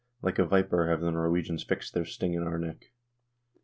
... Like a viper have the Nor wegians fixed their sting in our neck.